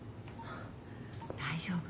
大丈夫。